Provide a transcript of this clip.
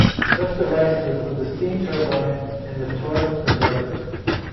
Such devices include the steam turbine and the torque converter.